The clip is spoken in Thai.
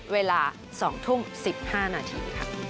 เวลา๒ทุ่ม๑๕นาที